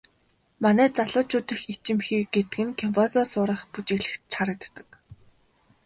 Манай залуучууд их ичимхий гэдэг нь кизомба сурах, бүжиглэхэд ч харагддаг.